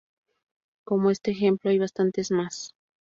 Como este ejemplo hay bastantes más.